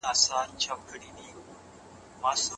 حکومتونه د لږکیو د حقونو د ساتني مسؤلیت لري.